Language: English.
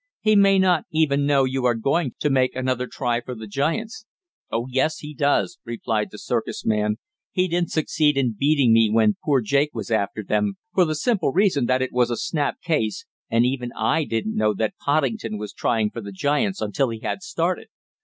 "He may not even know you are going to make another try for the giants." "Oh, yes, he does," replied the circus man. "He didn't succeed in beating me when poor Jake was after them, for the simple reason that it was a snap case, and even I didn't know that Poddington was trying for the giants until he had started.